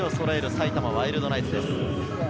埼玉ワイルドナイツです。